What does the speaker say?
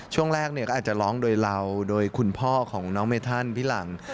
ช่วงแรกเนี่ยก็อาจจะร้องโดยเราโดยคุณพ่อของน้องเมธันพี่หลัง